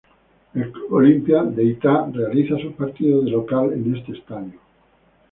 El Club Olimpia de Itá realiza sus partidos de local en este estadio.